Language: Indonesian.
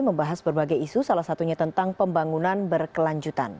membahas berbagai isu salah satunya tentang pembangunan berkelanjutan